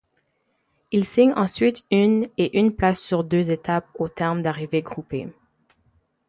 Il signe ensuite une et une place sur deux étapes, au terme d'arrivées groupées.